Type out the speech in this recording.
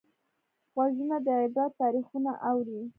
غوږونه د عبرت تاریخونه اوري